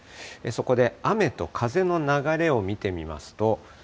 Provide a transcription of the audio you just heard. そこで雨と風の流れを見てみますと。